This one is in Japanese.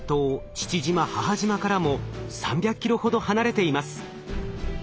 父島母島からも３００ｋｍほど離れています。